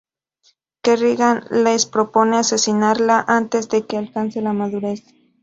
Kerrigan les propone asesinarla antes de que alcance la madurez.